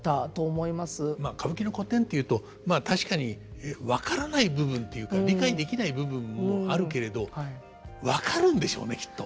まあ歌舞伎の古典というとまあ確かに分からない部分ていうか理解できない部分もあるけれど分かるんでしょうねきっと。